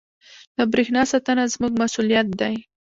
• د برېښنا ساتنه زموږ مسؤلیت دی.